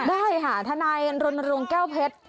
ได้ค่ะทนายรณรงค์แก้วเพชร